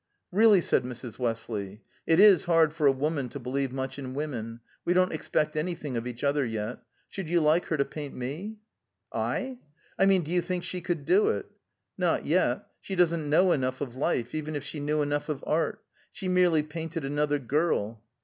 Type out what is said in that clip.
"Really?" said Mrs. Westley. "It is hard for a woman to believe much in women; we don't expect anything of each other yet. Should you like her to paint me?" "I?" "I mean, do you think she could do it?" "Not yet. She doesn't know enough of life, even if she knew enough of art. She merely painted another girl."